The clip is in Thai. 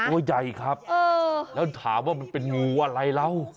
โอ้วใหญ่ครับแล้วถามว่ามันเป็นงูอะไรล่ะมียกยกถึงครับ